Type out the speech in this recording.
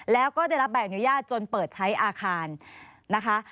แล้วก็ได้รับใบอนุญาตจนเปิดใช้อาคารนะคะ